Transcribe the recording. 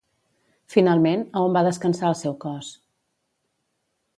Finalment, a on va descansar el seu cos?